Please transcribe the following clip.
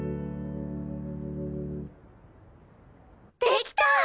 できたー！